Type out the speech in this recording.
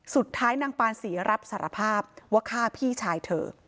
สุดท้ายนางปานศรีรับสารภาพว่าฆ่าพี่ชายเธอ